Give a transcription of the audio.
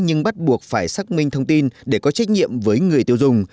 nhưng bắt buộc phải xác minh thông tin để có trách nhiệm với người tiêu dùng